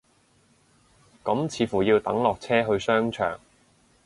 咁似乎要等落車去商場